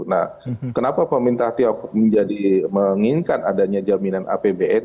nah kenapa pemerintah tiongkok menjadi menginginkan adanya jaminan apbn